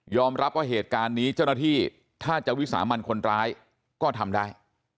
รับว่าเหตุการณ์นี้เจ้าหน้าที่ถ้าจะวิสามันคนร้ายก็ทำได้